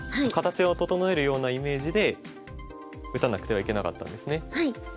形を整えるようなイメージで打たなくてはいけなかったんですね。